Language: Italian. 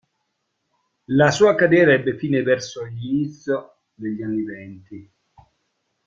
La sua carriera ebbe fine verso l'inizio degli anni venti.